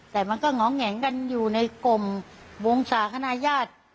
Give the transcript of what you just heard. แต่มันก็หงองแหงกันอยู่ในกรมบวงศาขนายาท